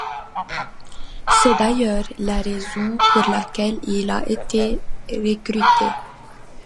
C'est d'ailleurs la raison pour laquelle il a été recruté.